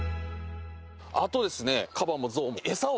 あとですね。